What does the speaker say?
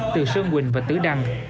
từ sơn quỳnh và tử đăng